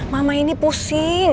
mama ini pusing